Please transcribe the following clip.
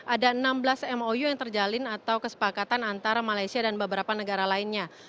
ada enam belas mou yang terjalin atau kesepakatan antara malaysia dan beberapa negara lainnya